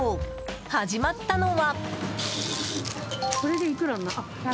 始まったのは。